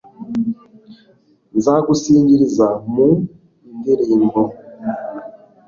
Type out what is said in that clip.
nzagusingiriza mu ndirimbo